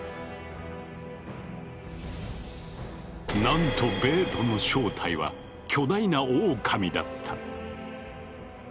なんとベートの正体は巨大なオオカミだった。